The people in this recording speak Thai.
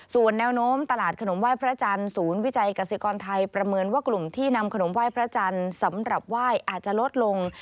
ส่วนแนวโน้มตลาดขนมไหว้พระจันทร์ศูนย์วิจัยกษิกรไทยประเมินว่ากลุ่มที่นำขนมไหว้พระจันทร์สำหรับไหว้อาจจะลดลง